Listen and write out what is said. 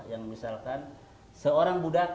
yang misalkan seorang budak